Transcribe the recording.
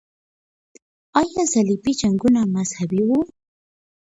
آیا صلیبي جنګونه مذهبي وو؟